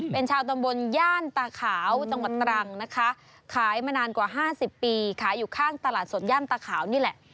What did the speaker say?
เป็นชาวตำบลย่านตาขาวจังหวัดตรังนะคะขายมานานกว่า๕๐ปีขายอยู่ข้างตลาดสดย่านตาขาวนี่แหละ